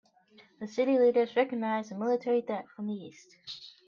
The city leaders recognized a military threat from the east.